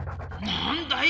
なんだい？